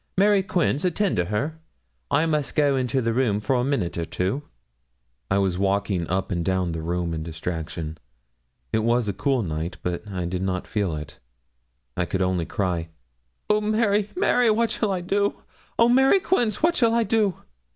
Mary Quince, attend to her. I must go into the room for a minute or two.' I was walking up and down the room in distraction. It was a cool night; but I did not feel it. I could only cry: 'Oh, Mary, Mary! what shall I do? Oh, Mary Quince! what shall I do?'